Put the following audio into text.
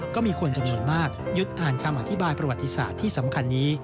ก็มีคนจำนวนมากหยุดอ่านคำอธิบายประวัติศาสตร์ที่สำคัญนี้